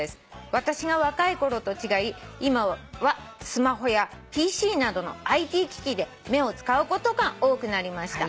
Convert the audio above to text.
「私が若いころと違い今はスマホやＰＣなどのＩＴ機器で目を使うことが多くなりました」